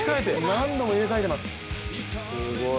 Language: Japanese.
何度も入れかえてます。